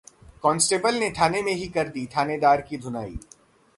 constable ने थाने में ही कर दी थानेदार की धुनाई